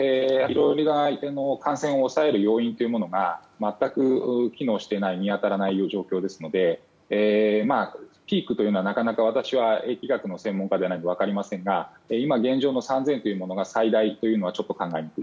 感染を抑える要因というものが全く機能していない見当たらない状況ですのでピークというのはなかなか私は疫学の専門家ではないので分かりませんが３０００が最大というのは考えにくい。